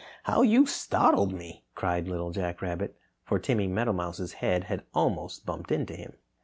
how you startled me!" cried Little Jack Rabbit, for Timmy Meadowmouse's head had almost bumped into him.